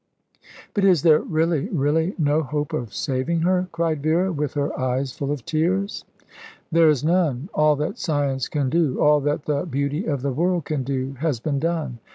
"But is there really, really no hope of saving her?" cried Vera, with her eyes full of tears. "There is none. All that science can do, all that the beauty of the world can do, has been done.